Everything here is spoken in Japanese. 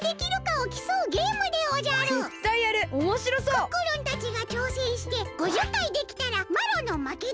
クックルンたちがちょうせんして５０回できたらまろのまけでおじゃる。